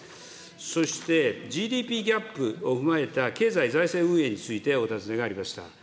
そしてＧＤＰギャップを踏まえた経済財政運営についてお尋ねがありました。